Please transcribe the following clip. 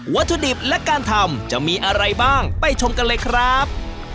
วัตถุดิบและการทำจะมีอะไรบ้างไปชมกันเลยครับ